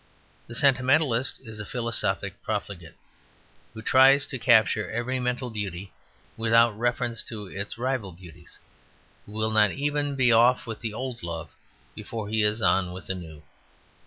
The Sentimentalist is a philosophic profligate, who tries to capture every mental beauty without reference to its rival beauties; who will not even be off with the old love before he is on with the new.